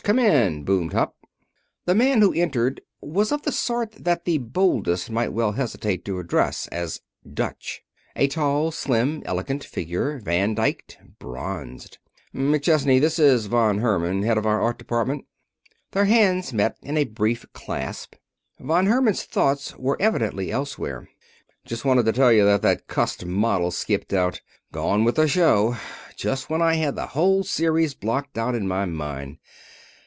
Come in!" boomed Hupp. The man who entered was of the sort that the boldest might well hesitate to address as "Dutch" a tall, slim, elegant figure, Van dyked, bronzed. "McChesney, this is Von Herman, head of our art department." Their hands met in a brief clasp. Von Herman's thoughts were evidently elsewhere. "Just wanted to tell you that that cussed model's skipped out. Gone with a show. Just when I had the whole series blocked out in my mind.